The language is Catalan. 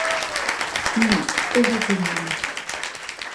No, és el cognom.